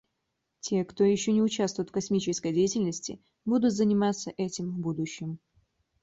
Те, кто еще не участвует в космической деятельности, будут заниматься этим в будущем.